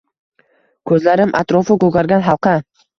Ko’zlarim atrofi ko’kargan halqa.